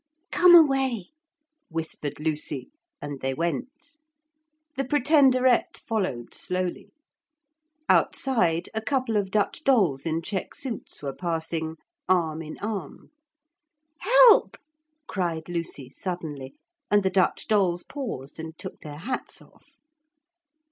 'Come away,' whispered Lucy, and they went. The Pretenderette followed slowly. Outside, a couple of Dutch dolls in check suits were passing, arm in arm. 'Help!' cried Lucy suddenly, and the Dutch dolls paused and took their hats off.